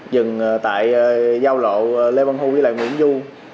dừng tại giao lộ lê văn hưu và nguyễn du